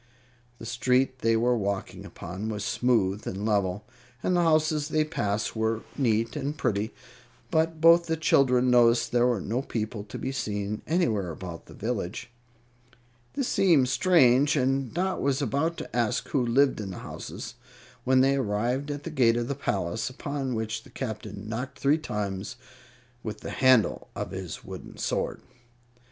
The street they were walking upon was smooth and level, and the houses they passed were neat and pretty; but both the children noticed there were no people to be seen anywhere about the village. This seemed strange, and Dot was about ask who lived in the houses, when they arrived at the gate of the palace, upon which the Captain knocked three times with the handle of his wooden sword.